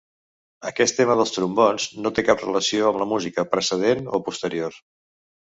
Aquest tema dels trombons no té cap relació amb la música precedent o posterior.